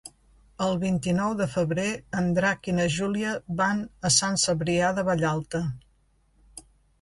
El vint-i-nou de febrer en Drac i na Júlia van a Sant Cebrià de Vallalta.